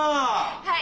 はい！